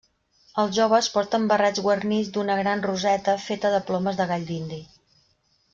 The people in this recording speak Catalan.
Els joves porten barrets guarnits d’una gran roseta feta de plomes de gall dindi.